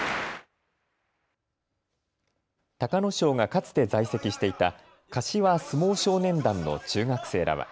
佐田の海がかつて在籍していた柏相撲少年団の中学生らは。